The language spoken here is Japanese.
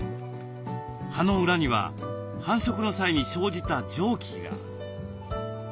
葉の裏には繁殖の際に生じた蒸気が。